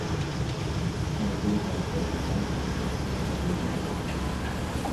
Samtuun farsoo naqnaan tortortuun kajeellaa dhaqxe.